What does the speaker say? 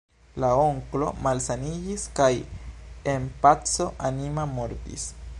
La onklo malsaniĝis kaj en paco anima mortis.